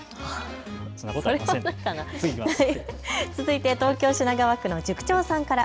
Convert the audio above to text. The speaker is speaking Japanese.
続いて東京品川区の塾長さんから。